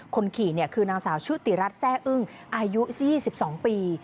คนขี่คือนางสาวชุติรัฐแซ่อึ้งอายุ๒๒ปี